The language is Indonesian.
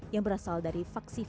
yang berasal dari